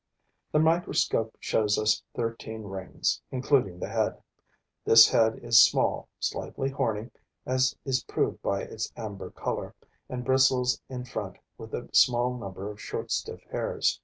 The microscope shows us thirteen rings, including the head. This head is small, slightly horny, as is proved by its amber color, and bristles in front with a small number of short, stiff hairs.